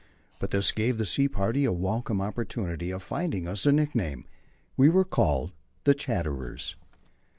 But this gave the sea party a welcome opportunity of finding us a nickname; we were called "the chatterers."